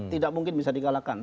tidak mungkin bisa dikalahkan